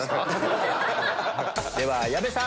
では矢部さん。